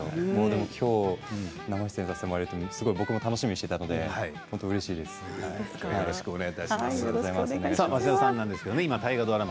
きょうは生出演させてもらって僕も楽しみにしていたので町田さん今は大河ドラマ